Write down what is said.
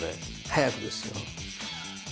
早くですよ。